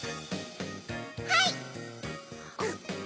はい！